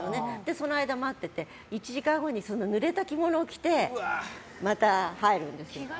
その間、待ってて１時間後に濡れた着物を着てまた入るんです。